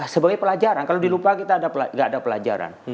sebagai pelajaran kalau dilupa kita tidak ada pelajaran